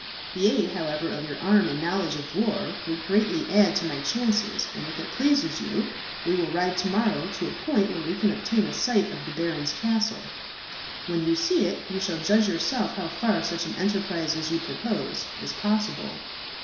The aid, however, of your arm and knowledge of war would greatly add to my chances, and if it pleases you we will ride to morrow to a point where we can obtain a sight of the baron's castle. When you see it, you shall judge yourself how far such an enterprise as you propose is possible."